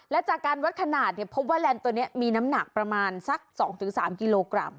และจากการวัดขนาดพบว่าแลนด์ตัวนี้มีน้ำหนักประมาณสัก๒๓กิโลกรัม